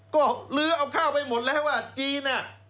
ก็เหลือเอาข้าวไปหมดแล้วจีน